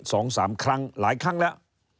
สองสามครั้งหลายครั้งแล้ว